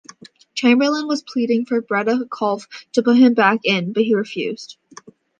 Chamberlain was pleading for Breda Kolff to put him back in, but he refused.